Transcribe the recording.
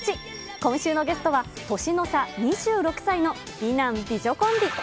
今週のゲストは年の差２６歳の美男美女コンビ。